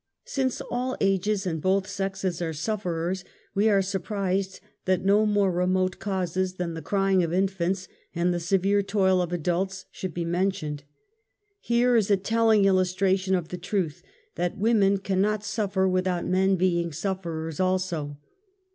Since all ages and both sexes are sufferers, we are surprised that no more remote causes than the cry ing of infants, and the severe toil of adults should he mentioned. Here is a telling illustration of the truth, that \women cannot suffer without men being sufferers €ilso.